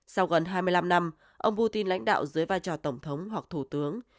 sau gần hai mươi năm năm ông putin lãnh đạo dưới vai trò tổng thống hoặc thủ tướng